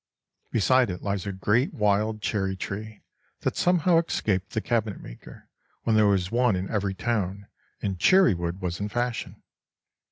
Beside it lies a great wild cherry tree that somehow escaped the cabinet maker when there was one in every town and cherry wood was in fashion.